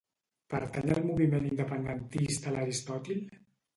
Pertany al moviment independentista l'Aristòtil?